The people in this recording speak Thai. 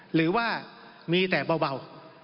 หรือว่ามีแต่เบา